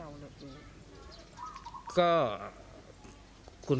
เรียนเพศค่ะจริงจริงใช่มั้ยค่ะหรือถ้าที่เราหลับดู